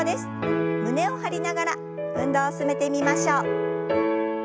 胸を張りながら運動を進めてみましょう。